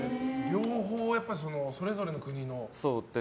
両方、それぞれの国の。